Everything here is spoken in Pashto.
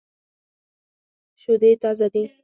شودې تازه دي.